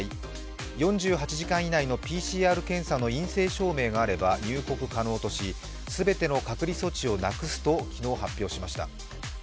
４８時間以内のＰＣＲ検査の陰性証明があれば入国可能とし全ての隔離措置をなくすと昨日発表しました。